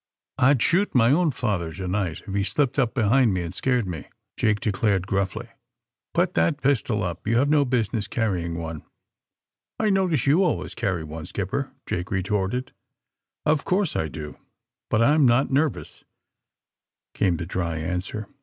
'' '^I'd shoot my own father to night, if he slipped up behind me and scared me, '' Jake de clared gruffly. Put that pistol up. You've no business car rying one," *'I notice you always carry one,, skipper," Jake retorted. 0f course I do, but I'm not nervous," came the dry answer.